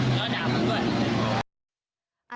แล้วหน่าพวกมันด้วย